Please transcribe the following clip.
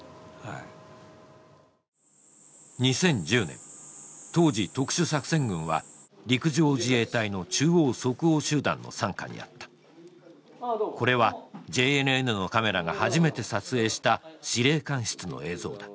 ２０１０年当時特殊作戦群は陸上自衛隊の中央即応集団の傘下にあったこれはＪＮＮのカメラが初めて撮影した司令官室の映像だ